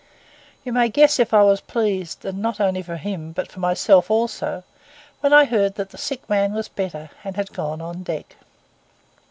You may guess if I was pleased, not only for him, but for myself also, when I heard that the sick man was better and had gone on deck.